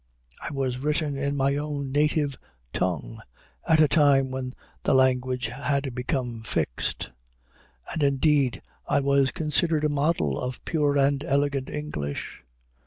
I was written in my own native tongue, at a time when the language had become fixed; and indeed I was considered a model of pure and elegant English."